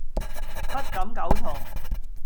不敢苟同